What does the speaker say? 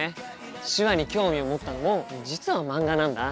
手話に興味を持ったのも実は漫画なんだ。